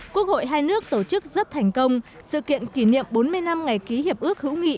quốc hội hai nước tổ chức rất thành công sự kiện kỷ niệm bốn mươi năm ngày ký hiệp ước hữu nghị